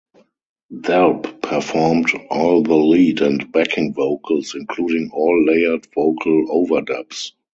Delp performed all of the lead and backing vocals, including all layered vocal overdubs.